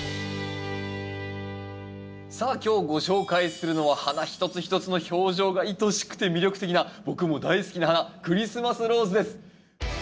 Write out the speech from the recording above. さあ今日ご紹介するのは花一つ一つの表情がいとしくて魅力的な僕も大好きな花クリスマスローズです。